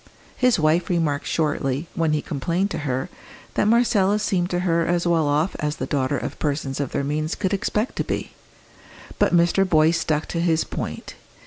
His wife remarked shortly, when he complained to her, that Marcella seemed to her as well off as the daughter of persons of their means could expect to be. But Mr. Boyce stuck to his point.